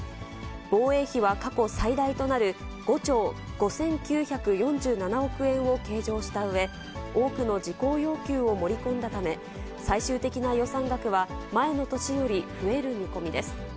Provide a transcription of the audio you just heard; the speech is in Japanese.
防衛費は過去最大となる５兆５９４７億円を計上したうえ、多くの事項要求を盛り込んだため、最終的な予算額は前の年より増える見込みです。